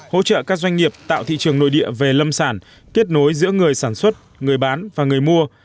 hỗ trợ các doanh nghiệp tạo thị trường nội địa về lâm sản kết nối giữa người sản xuất người bán và người mua